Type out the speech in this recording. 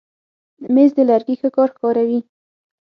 مېز د لرګي ښه کار ښکاروي.